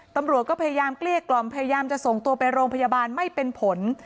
ตำรวจก็พยายามเกลี้ยกล่อมพยายามจะส่งตัวไปโรงพยาบาลไม่เป็นผล